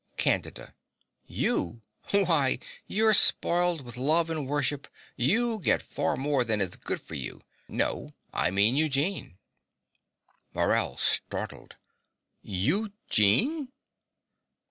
CANDIDA. You! Why, you're spoiled with love and worship: you get far more than is good for you. No: I mean Eugene. MORELL (startled). Eugene!